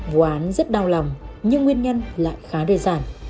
vụ án rất đau lòng nhưng nguyên nhân lại khá đơn giản